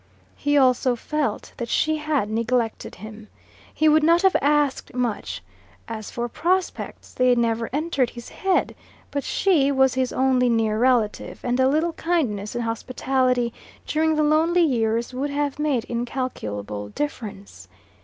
He also felt that she had neglected him. He would not have asked much: as for "prospects," they never entered his head, but she was his only near relative, and a little kindness and hospitality during the lonely years would have made incalculable difference.